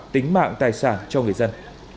tính mạng tài sản cho người dân